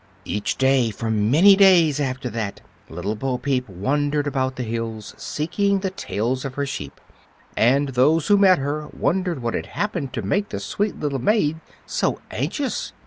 Each day for many days after that Little Bo Peep wandered about the hills seeking the tails of her sheep, and those who met her wondered what had happened to make the sweet little maid so anxious.